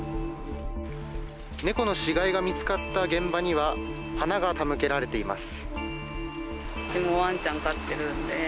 猫の死骸が見つかった現場には花が手向けられています。